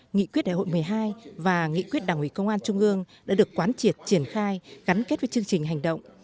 nghị quyết đại hội một mươi hai và nghị quyết đảng ủy công an trung ương đã được quán triệt triển khai gắn kết với chương trình hành động